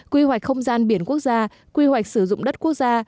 quy hoạch không gian biển quốc gia quy hoạch sử dụng đất quốc gia